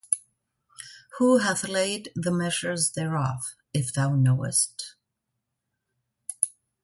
Who hath laid the measures thereof, if thou knowest?